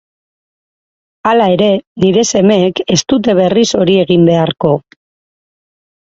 Hala ere, nire semeek ez dute berriz hori egin beharko.